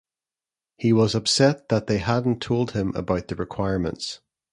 He was upset that they hadn't told him about the requirements.